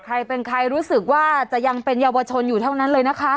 ใครเป็นใครรู้สึกว่าจะยังเป็นเยาวชนอยู่เท่านั้นเลยนะคะ